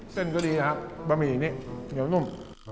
เส้นก็ดีนะครับบะหมี่นี้เหนียวนุ่ม